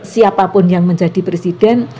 siapapun yang menjadi presiden